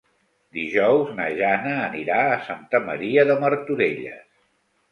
Dijous na Jana anirà a Santa Maria de Martorelles.